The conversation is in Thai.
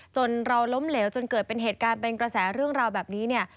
จนเราล้มเหลวจนเกิดเป็นเหตุการณ์เป็นกระแสเรื่องราวแบบนี้เนี่ย